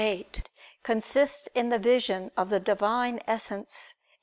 8), consists in the vision of the Divine Essence.